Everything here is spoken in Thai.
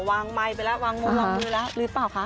ไมค์ไปแล้ววางมุมล็อกมือแล้วหรือเปล่าคะ